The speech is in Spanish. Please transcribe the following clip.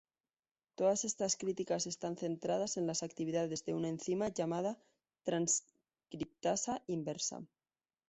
Todas estas críticas están centradas en las actividades de una enzima llamada transcriptasa inversa.